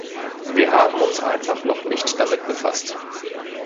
Wir haben uns einfach noch nicht damit befasst.